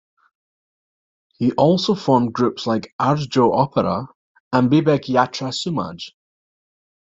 He also formed groups like "Arjo Opera" and "Bibek Yatra Samaj".